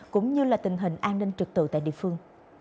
cũng như là tình hình an ninh trực tự tại địa phương